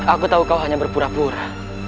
aku tahu kau hanya berpura pura